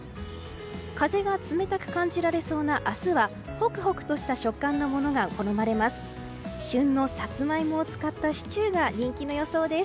風が冷たく感じられそうな明日はホクホクとした食感のものが好まれます。